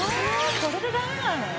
これでダメなの？